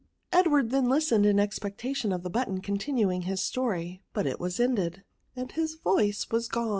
Edward then listened in expectation of the button continuing his story, but it was ended, and his voice was gone!